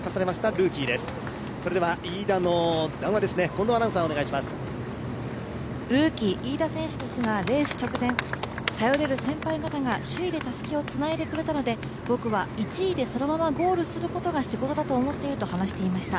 ルーキー飯田選手ですがレース直前頼れる先輩方が首位でたすきをつないでくれたので、僕は１位でそのままゴールすることが仕事だと思っていると話しています。